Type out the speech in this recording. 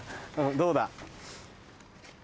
どうだ？